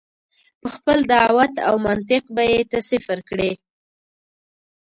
په خپل دعوت او منطق به یې ته صفر کړې.